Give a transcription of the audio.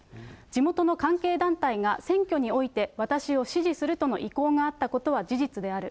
地元の関係団体が選挙において私を支持するとの意向があったことは事実である。